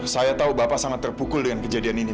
saya tahu bapak sangat terpukul dengan kejadian ini